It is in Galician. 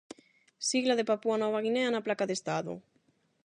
Sigla de Papúa-Nova Guinea na placa de estado.